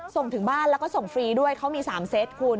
ส่งถึงบ้านแล้วก็ส่งฟรีด้วยเขามี๓เซตคุณ